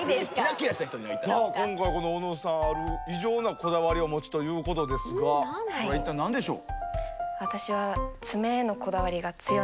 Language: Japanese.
さあ今回この小野さんはある異常なこだわりを持つということですがこれは一体何でしょう？